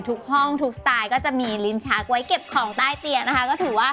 ทุกห้องทุกสไตล์ก็จะมีฤาษฎาไว้เก็บของใต้เตียงนะคะ